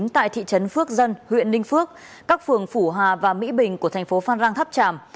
tại thị trấn phước dân huyện ninh phước các phường phủ hà và mỹ bình của thành phố phan rang tháp tràm